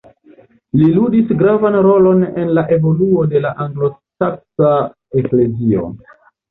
Li ludis gravan rolon en la evoluo de la anglosaksa eklezio.